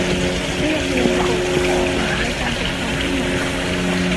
เรียบเรียงระบบศาสนาและการปกครองขึ้นใหม่